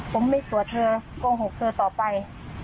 ผมไม่กลัวเธอโกหกเธอต่อไป